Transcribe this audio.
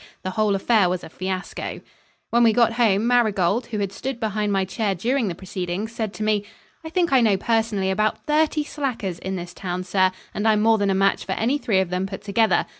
The whole affair was a fiasco. When we got home, Marigold, who had stood behind my chair during the proceedings, said to me: "I think I know personally about thirty slackers in this town, sir, and I'm more than a match for any three of them put together.